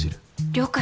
了解。